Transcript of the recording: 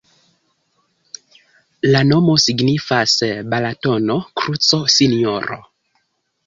La nomo signifas: Balatono-kruco-Sinjoro.